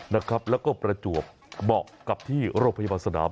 แล้วก็ประจวบเหมาะกับที่โรงพยาบาลสนาม